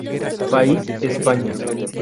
País: España.